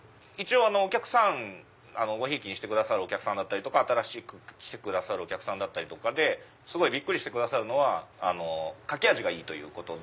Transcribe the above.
ごひいきにしてくださるお客さんだったりとか新しく来てくださるお客さんだったりとかですごいびっくりしてくださるのは書き味がいいということで。